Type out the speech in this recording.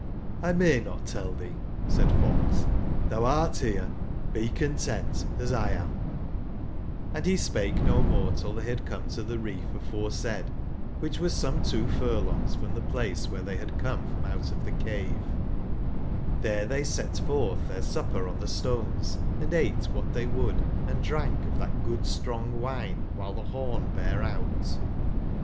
1 may not tell tbee/' said fox; ''tbou art bere, be content, as 1 am/' Hnd be spahe no more till tbey bad come to tbe reef aforesaid, wbicb was some two furlongs from tbe place wbere tbey bad come from out of tbe cave, XTbere tben tbey set fortbtbeir sup per on tbe stones, and ate wbat tbey would, & drank of tbat good strong wine wbile tbe born bare out.